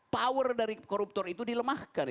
power dari koruptor itu dilemahkan